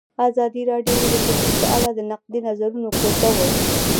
ازادي راډیو د کلتور په اړه د نقدي نظرونو کوربه وه.